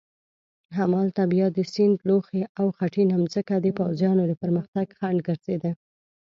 همالته بیا د سیند لوخې او خټینه مځکه د پوځیانو د پرمختګ خنډ ګرځېده.